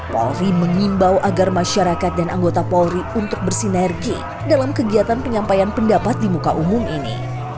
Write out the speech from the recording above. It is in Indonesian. polri mengimbau agar masyarakat dan anggota polri untuk bersinergi dalam kegiatan penyampaian pendapat di muka umum ini